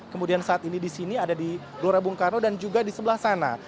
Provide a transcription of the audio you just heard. kemudian saat ini di sini ada di gelora bung karno dan juga di sebelah sana